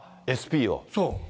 そう。